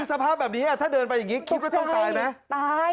ดูสภาพแบบนี้ถ้าเดินไปอย่างนี้คลิปก็ต้องตายไหม